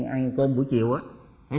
ăn cơm buổi chiều á